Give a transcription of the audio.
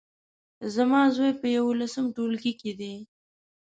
زما زوی په يولسم ټولګي کې دی